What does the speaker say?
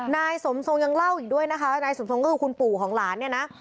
นายสมทรงยังเล่าอีกด้วยนะคะนายสมทรงก็คือคุณปู่ของหลานเนี่ยนะ